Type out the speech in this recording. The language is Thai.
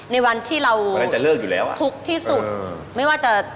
ในวันที่เราคุกที่สุดไม่ว่าจะเลิกอยู่แล้ว